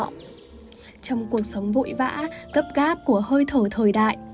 trong cuộc sống vội vã gấp gáp của hơi thở thời đại